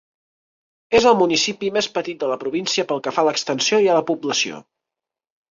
És el municipi més petit de la província pel que fa a l'extensió i a la població.